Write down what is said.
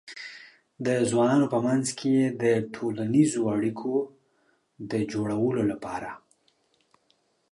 د ځوانانو په منځ کې د ټولنیزو اړیکو د جوړولو لپاره